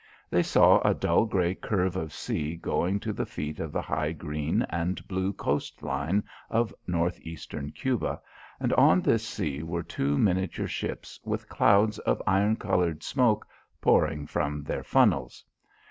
They saw a dull grey curve of sea going to the feet of the high green and blue coast line of north eastern Cuba, and on this sea were two miniature ships with clouds of iron coloured smoke pouring from their funnels.